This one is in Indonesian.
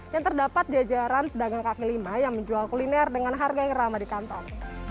yang terdapat jajaran pedagang kaki lima yang menjual kuliner dengan harga yang ramah di kantong